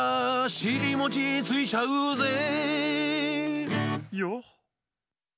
「しりもちついちゃうぜ」ヨ？